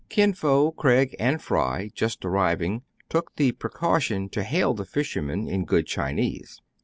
' Kin Fo, Craig, and Fry, just arriving, took the precaution to hail the fishermen in good Chinese.